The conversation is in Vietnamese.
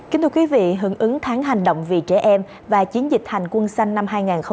kính thưa quý vị hưởng ứng tháng hành động vì trẻ em và chiến dịch hành quân xanh năm hai nghìn hai mươi